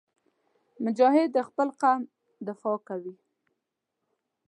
مجاهد د خپل قوم دفاع کوي.